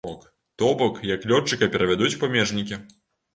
То бок, як лётчыка перавядуць у памежнікі.